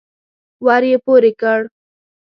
ور يې پورې کړ.